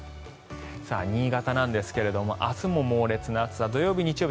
新潟なんですが明日も猛烈な暑さ土曜日、日曜日